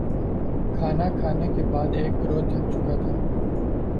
کھانا کھانے کے بعد ایک گروہ تھک چکا تھا